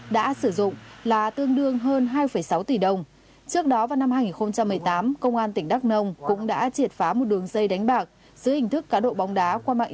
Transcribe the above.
đã sử dụng tương đương gần hai mươi tỷ đồng để đánh bạc